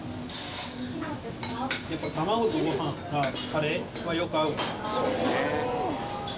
やっぱ、卵とごはんとカレーはよく合うな。